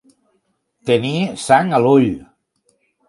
Tenir sang a l'ull.